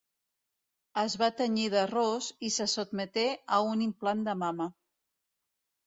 Es va tenyir de ros i se sotmeté a un implant de mama.